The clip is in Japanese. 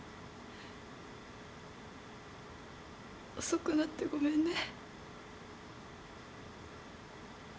遅くなってごめんね。